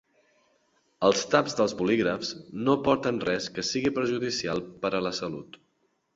Els taps dels bolígrafs no porten res que sigui perjudicial per a la salut.